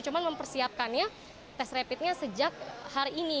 cuma mempersiapkannya tes rapidnya sejak hari ini